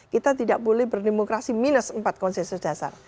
kita tidak boleh berdemokrasi minus empat konsensus dasar